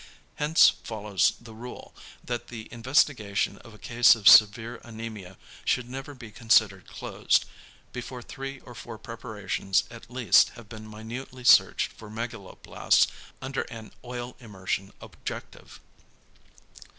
Hence follows the rule, that the investigation of a case of severe anæmia should never be considered closed, before three or four preparations at least have been minutely searched for megaloblasts under an oil immersion objective.